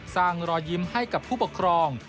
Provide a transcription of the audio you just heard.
รอยยิ้มให้กับผู้ปกครอง